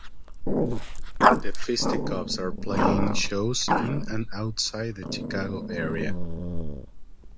The Fisticuffs are currently playing shows in and outside the Chicago area.